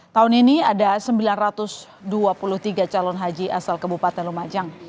tahun ini ada sembilan ratus dua puluh tiga calon haji asal kebupaten lumajang